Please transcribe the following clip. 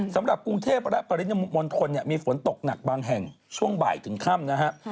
สำหรับกรุงเทพฯและปริศนมนต์คนมีฝนตกหนักบังแห่งช่วงบ่ายถึงค่ำนะครับ